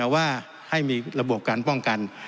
ว่าให้มีระบบการป้องกัน